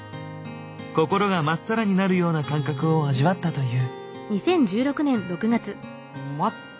心がまっさらになるような感覚を味わったという。